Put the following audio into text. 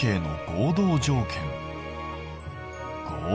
合同条件